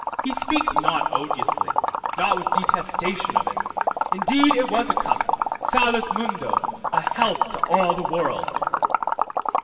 , he speaks not odiously, not with detestation of it. Indeed it was a cup, salus mundo, a health to all the world.